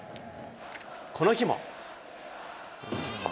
この日も。